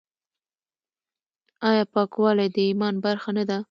آیا پاکوالی د ایمان برخه نه ده؟